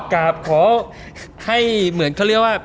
กราบขอให้เหมือนเขาเรียกว่า